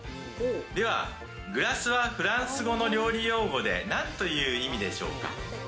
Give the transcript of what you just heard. ではグラスはフランス語の料理用語で、なんという意味でしょうか？